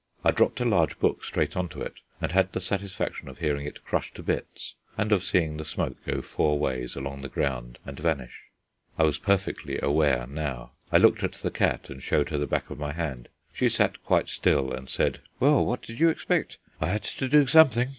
I dropped a large book straight on to it, and had the satisfaction of hearing it crush to bits and of seeing the smoke go four ways along the ground and vanish. I was perfectly awake now. I looked at the cat, and showed her the back of my hand. She sat quite still and said: "Well, what did you expect? I had to do something.